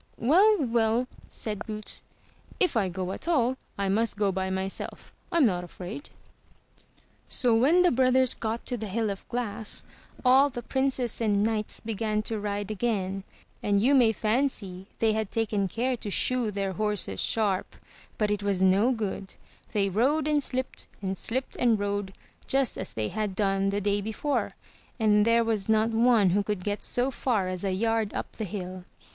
''Well, well!" said Boots; *1f I go at all, I must go by myself. Fm not afraid." So when the brothers got to the hill of glass, all the princes and knights began to ride again, and you may fancy they had taken care to shoe their horses sharp; but it was no good — they rode and slipped, and slipped and rode, just as they had done the day before, and there was not one who could get so far as a yard up the hill.